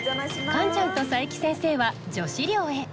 カンちゃんと佐伯先生は女子寮へ。